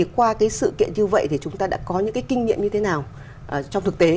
qua sự kiện như vậy chúng ta đã có những kinh nghiệm như thế nào trong thực tế